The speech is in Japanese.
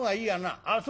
あっそうだ！